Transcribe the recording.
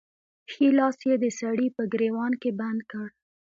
ښی لاس يې د سړي په ګرېوان کې بند کړ.